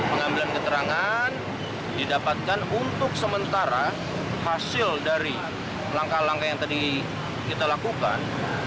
pengambilan keterangan didapatkan untuk sementara hasil dari langkah langkah yang tadi kita lakukan